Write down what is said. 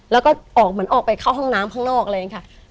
แล้วก็ออกเหมือนออกไปเข้าห้องน้ำข้างนอกอะไรอย่างนี้ค่ะ